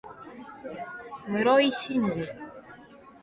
室井慎次